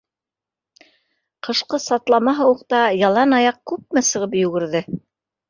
Ҡышҡы сатлама һыуыҡта ялан аяҡ күпме сығып йүгерҙе?